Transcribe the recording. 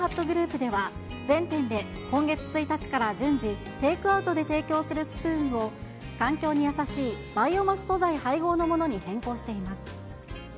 グループでは、全店で今月１日から順次、テイクアウトで提供するスプーンを、環境に優しいバイオマス素材配合のものに変更しています。